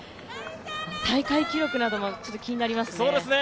大会記録なども気になりますね。